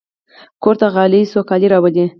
کور ته غالۍ سوکالي راولي.